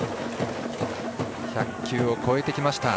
１００球を超えてきました